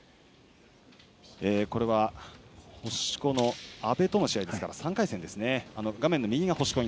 これは星子と阿部の試合ですから３回戦ですね。